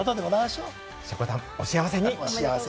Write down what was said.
しょこたん、お幸せに！